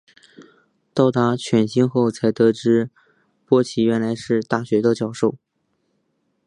到达犬星后才得知波奇原来是大学的教授。